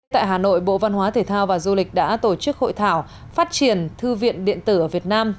tại hà nội bộ văn hóa thể thao và du lịch đã tổ chức hội thảo phát triển thư viện điện tử ở việt nam